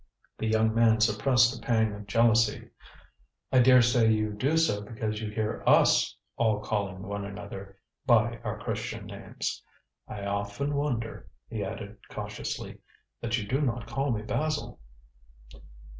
The young man suppressed a pang of jealousy. "I dare say you do so because you hear us all calling one another by our Christian names. I often wonder," he added cautiously, "that you do not call me Basil."